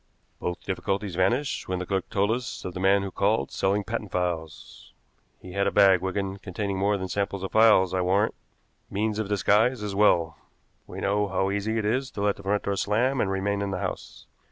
Both difficulties vanished when the clerk told us of the man who called selling patent files. He had a bag, Wigan, containing more than samples of files, I warrant means of disguise as well. We know how easy it is to let the front door slam and remain in the house.